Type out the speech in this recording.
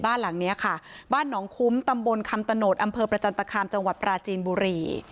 บ้านหลังนี้ค่ะบ้านหนองคุ้มตำบลคำตโนธอำเภอประจันตคามจังหวัดปราจีนบุรี